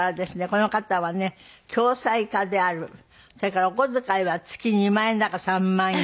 この方はね恐妻家であるそれからお小遣いは月２万円だか３万円。